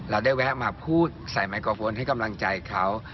เราได้แวะมาพูดใส่ไมโครโฟนให้กำลังใจเขา